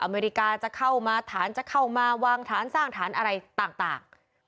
อเมริกาจะเข้ามาฐานจะเข้ามาวางฐานสร้างฐานอะไรต่าง